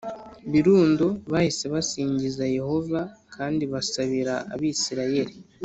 birundo bahise basingizaz Yehova kandi basabira Abisirayeli